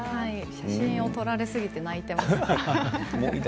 写真を撮られすぎて泣いています。